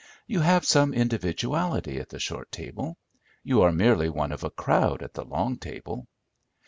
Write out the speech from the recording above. You have some individuality at the short table; you are merely one of a crowd at the long table.